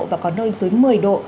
và có nơi dưới một mươi độ